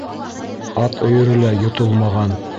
Ат өйөрө лә йотолмаған.